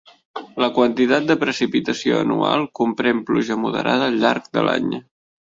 La quantitat de precipitació anual comprèn pluja moderada al llarg de l'any.